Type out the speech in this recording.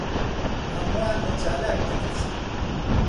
ھەمووان لە چالاک دەترسن.